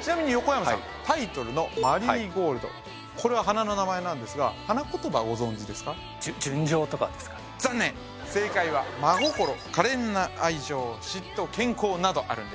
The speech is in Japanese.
ちなみに横山さんタイトルの「マリーゴールド」これは花の名前なんですが正解は真心可憐な愛情嫉妬健康などあるんです